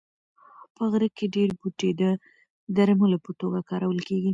په غره کې ډېر بوټي د درملو په توګه کارول کېږي.